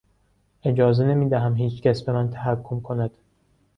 اجازه نمیدهم هیچکس به من تحکم کند!